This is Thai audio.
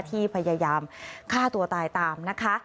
ที่พยายามฆ่าตัวตายตามนะคะ